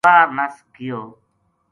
باہر نَس گیو